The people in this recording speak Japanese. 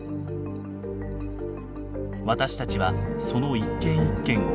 私たちはその一件一件を分析。